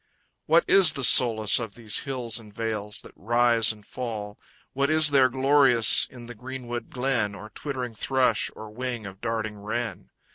What is the solace of these hills and vales That rise and fall? What is there glorious in the greenwood glen, Or twittering thrush or wing of darting wren?